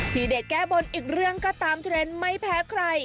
เด็ดแก้บนอีกเรื่องก็ตามเทรนด์ไม่แพ้ใคร